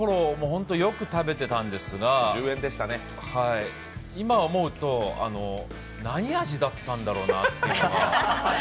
本当によく食べてたんですが、今思うと、何味だったんだろうなというのが。